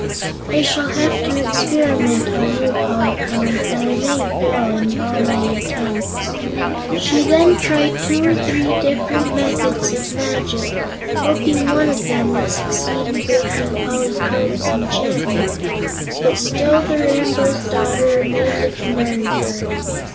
"I shall have to experiment on you, Polychrome, and I may fail in all my attempts." She then tried two or three different methods of magic, hoping one of them would succeed in breaking Polychrome's enchantment, but still the Rainbow's Daughter remained a Canary Bird.